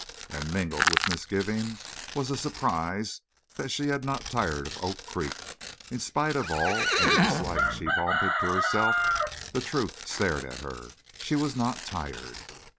And mingled with misgiving was a surprise that she had not tired of Oak Creek. In spite of all, and of the dislike she vaunted to herself, the truth stared at her—she was not tired.